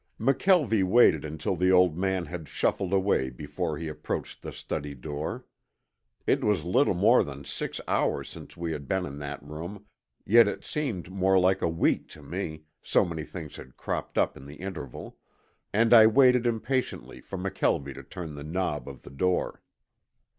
McKelvie waited until the old man had shuffled away before he approached the study door. It was little more than six hours since we had been in that room, yet it seemed more like a week to me, so many things had cropped up in the interval, and I waited impatiently for McKelvie to turn the knob of the door.